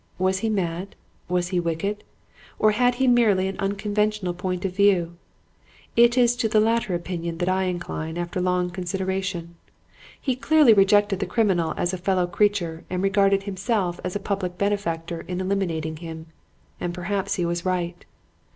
Was he mad? Was he wicked? Or had he merely an unconventional point of view? It is to the latter opinion that I incline after long consideration. He clearly rejected the criminal as a fellow creature and regarded himself as a public benefactor in eliminating him. And perhaps he was right.